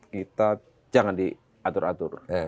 kita jangan diatur atur